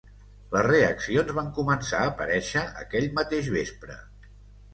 Les reaccions van començar a aparèixer aquell mateix vespre.